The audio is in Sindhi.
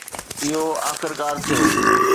اهو آخرڪار ٿيو.